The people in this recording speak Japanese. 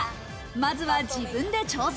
まずは自分で挑戦。